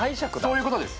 そういうことです。